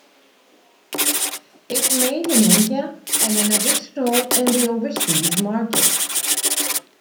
It made in India and an additional in the overseas market.